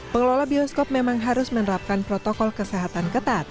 pengelola bioskop memang harus menerapkan protokol kesehatan ketat